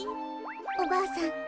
おばあさん